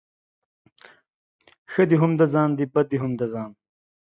ښه دي هم د ځان دي ، بد دي هم د ځآن.